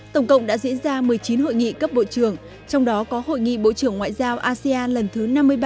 tổng cộng đã diễn ra một mươi chín hội nghị cấp bộ trưởng trong đó có hội nghị bộ trưởng ngoại giao asean lần thứ năm mươi ba